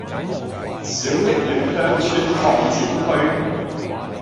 小瀝源鄉村擴展區